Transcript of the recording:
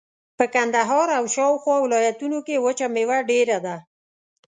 په کندهار او شاوخوا ولایتونو کښې وچه مېوه ډېره ده.